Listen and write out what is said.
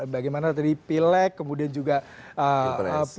bagaimana tadi pileg kemudian kumpah jokowi